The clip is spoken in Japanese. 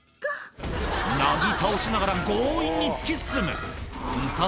なぎ倒しながら強引に突き進むうん